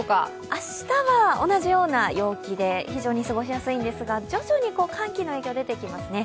明日は同じような陽気で非常に過ごしやすいんですが徐々に寒気の影響が出てきますね。